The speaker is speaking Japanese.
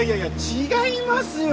違いますよ！